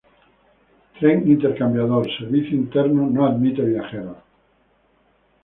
Tren intercambiador: servicio interno, no admite viajeros.